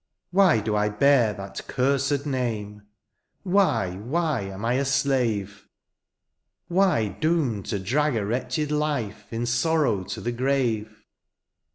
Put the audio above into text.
Why do I bear that cursed name ? Why, why am I a slave ? Why doomed to drag a wretched life In sorrow to the grave